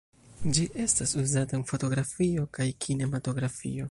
Ĝi estas uzata en fotografio kaj kinematografio.